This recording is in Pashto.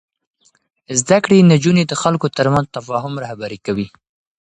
زده کړې نجونې د خلکو ترمنځ تفاهم رهبري کوي.